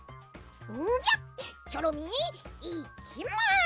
んじゃチョロミーいきま。